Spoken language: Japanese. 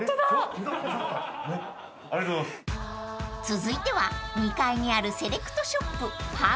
［続いては２階にあるセレクトショップ］